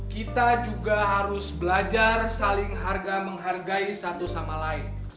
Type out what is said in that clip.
kita juga harus belajar saling harga menghargai satu sama lain